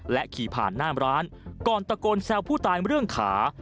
ขี่ผ่านหน้าร้านก่อนตะโกนแซวผู้ตายเรื่องขา